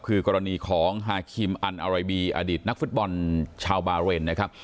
คือกรณีของฮาคิมอันอารบีอดีตนักฟุตบอลชาวบาเรนนะครับ